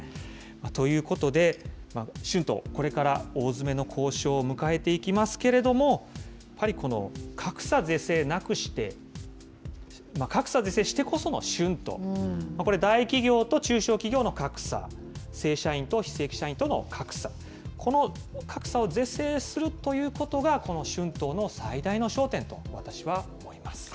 ということで、春闘、これから大詰めの交渉を迎えていきますけれども、やっぱりこの格差是正なくして、格差是正してこその春闘、これ大企業と中小企業との格差、正社員と非正規社員との格差、この格差を是正するということが、この春闘の最大の焦点と、私は思います。